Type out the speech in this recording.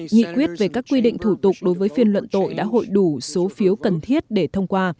nghị quyết về các quy định thủ tục đối với phiên luận tội đã hội đủ số phiếu cần thiết để thông qua